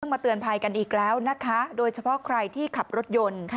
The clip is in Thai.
มาเตือนภัยกันอีกแล้วนะคะโดยเฉพาะใครที่ขับรถยนต์